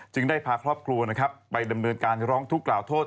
จึงได้พาครอบครัวไปดำเนินการร้องทุกกล่าวโทษ